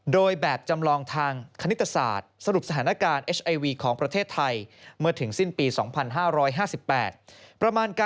โดยแบบจำลองทางคณิตศาสตร์